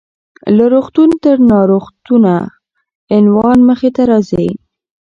له روغتون تر ناروغتونه: عنوان مخې ته راځي .